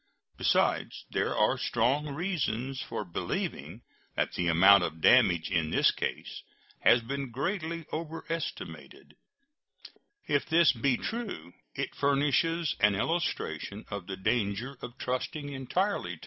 Besides, there are strong reasons for believing that the amount of damage in this case has been greatly overestimated. If this be true, it furnishes an illustration of the danger of trusting entirely to ex parte testimony in such matters.